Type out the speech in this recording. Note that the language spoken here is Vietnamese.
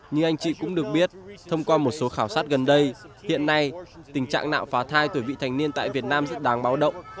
như anh chị cũng được biết thông qua một số khảo sát gần đây hiện nay tình trạng nạo phá thai tuổi vị thành niên tại việt nam rất đáng báo động